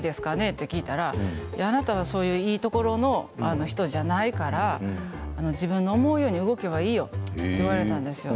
って聞いたらあなたはそういういいところの人じゃないから自分の思うように動けばいいよと言われたんですよ。